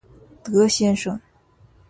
德先生